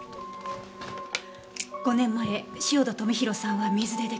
５年前汐田富弘さんは「水」で溺死。